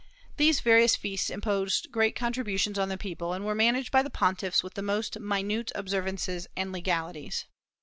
These various feasts imposed great contributions on the people, and were managed by the pontiffs with the most minute observances and legalities.